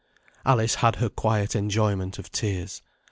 Alice had her quiet enjoyment of tears.